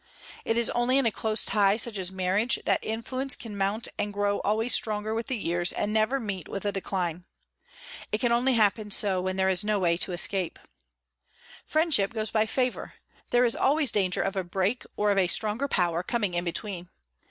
It is only in a close tie such as marriage, that influence can mount and grow always stronger with the years and never meet with a decline. It can only happen so when there is no way to escape. Friendship goes by favour. There is always danger of a break or of a stronger power coming in between.